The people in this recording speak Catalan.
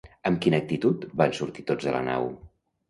Amb quina actitud van sortir tots de la nau?